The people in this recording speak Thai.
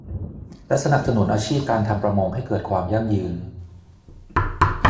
และสนับสนุนอาชีพการทำประมงให้เกิดความยั่งยืน